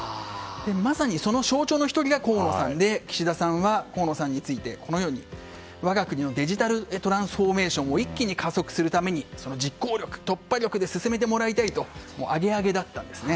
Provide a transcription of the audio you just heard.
まさにその象徴の１人が河野さんで岸田さんは河野さんについて我が国のデジタルトランスフォーメーションを一気に加速するためにその実行力・突破力で突破力で進めてもらいたいとアゲアゲだったんですね。